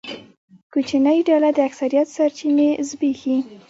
کوچنۍ ډله د اکثریت سرچینې زبېښي.